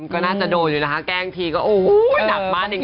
ก็น่าจะโดดอยู่แล้วฮะแกล้งทีก็อู้วหนักมากจริง